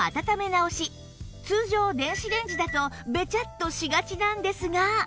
通常電子レンジだとベチャッとしがちなんですが